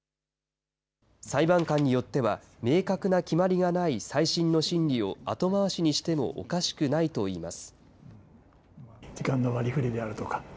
裁判官によっては、明確な決まりがない再審の審理を後回しにしてもおかしくないといいます。